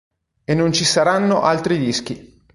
E non ci saranno altri dischi.